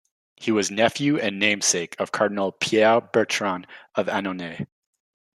He was nephew and namesake of Cardinal Pierre Bertrand of Annonay.